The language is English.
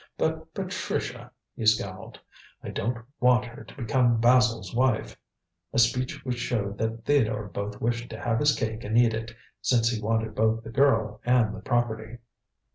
But Patricia," he scowled; "I don't want her to become Basil's wife!" a speech which showed that Theodore both wished to have his cake and eat it, since he wanted both the girl and the property.